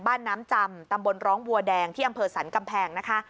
บ้านน้ำจำตำบลร้องหัวแดงที่อสันกำแพง